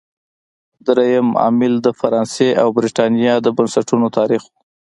درېیم عامل د فرانسې او برېټانیا د بنسټونو تاریخ و.